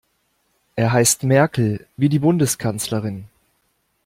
Er heißt Merkel, wie die Bundeskanzlerin.